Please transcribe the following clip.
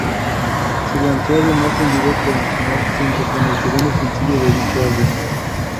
Se lanzó además un vídeo promocional junto con el segundo sencillo de dicho álbum.